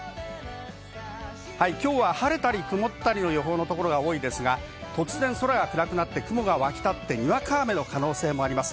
きょうは晴れたり曇ったりの予報のところが多いですが、突然空が暗くなって雲がわき立ってにわか雨の可能性もあります。